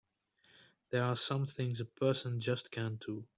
There are some things a person just can't do!